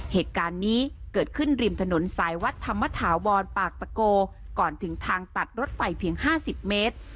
เหตุการณ์นี้เกิดขึ้นริมถนนสายวัดธรรมถาวรปากตะโกก่อนถึงทางตัดรถไฟเพียง๕๐เมตร